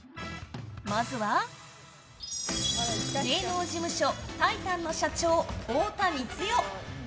まずは、芸能事務所タイタンの社長、太田光代。